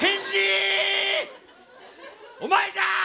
お前じゃ！